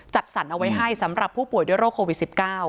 จัดสรรเอาไว้ให้สำหรับผู้ป่วยด้วยโรคโควิด๑๙